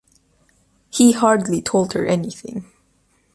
He hardly told her anything.